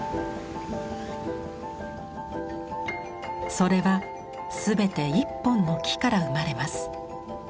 それは全て一本の木から生まれます。